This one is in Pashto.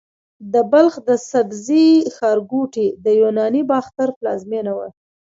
د بلخ د سبزې ښارګوټي د یوناني باختر پلازمېنه وه